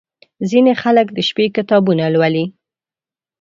• ځینې خلک د شپې کتابونه لولي.